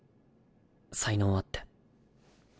才能あって。